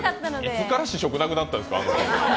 いつから試食なくなったんですか？